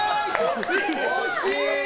惜しい！